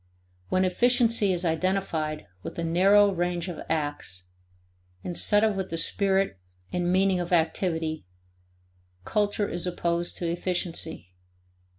When efficiency is identified with a narrow range of acts, instead of with the spirit and meaning of activity, culture is opposed to efficiency.